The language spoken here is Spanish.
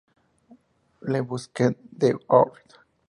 Le Bousquet-d'Orb